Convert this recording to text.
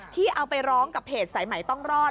ที่เอาไปร้องกับเพจสายใหม่ต้องรอด